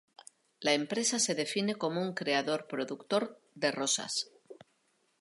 La empresa se define como un "creador-productor de rosas.